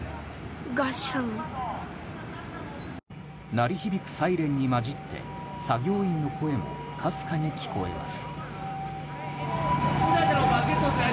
鳴り響くサイレンに交じって作業員の声もかすかに聞こえます。